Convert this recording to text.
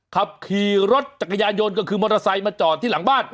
ขับขี่รถจักรยานยนต์ก็คือมอเตอร์ไซค์มาจอดที่หลังบ้าน